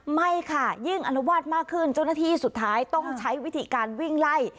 ไม่ค่ะยิ่งอนุวาสมากขึ้นเจ้าหน้าที่สุดท้ายต้องใช้วิธีการวิ่งไล่